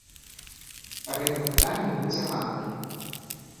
Па гэтым пытанні будзе гандаль.